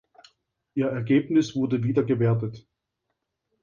Ihr Ergebnis wurde wieder gewertet.